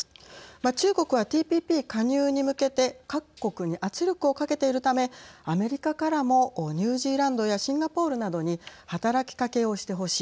中国はＴＰＰ加入に向けて各国に圧力をかけているためアメリカからもニュージーランドやシンガポールなどに働きかけをしてほしい。